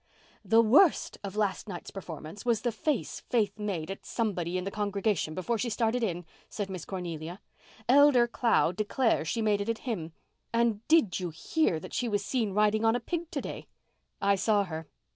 "The worst of last night's performance was the face Faith made made at somebody in the congregation before she started in," said Miss Cornelia. "Elder Clow declares she made it at him. And did you hear that she was seen riding on a pig to day?" "I saw her.